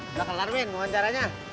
udah kelar win mau wawancaranya